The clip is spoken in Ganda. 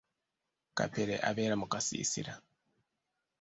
Kapere abeera mu kasiisira.